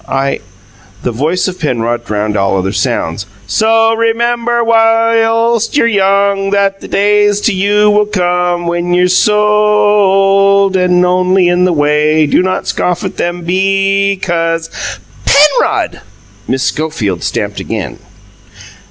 "I " The voice of Penrod drowned all other sounds. "So o o rem mem bur, whi i ilst you're young, That the day a ys to you will come, When you're o o old and only in the way, Do not scoff at them BEE cause " "PENROD!" Miss Schofield stamped again.